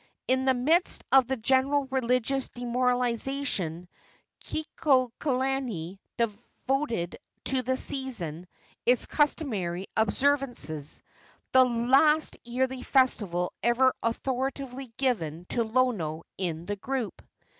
In the midst of the general religious demoralization Kekuaokalani devoted to the season its customary observances the last yearly festival ever authoritatively given to Lono in the group.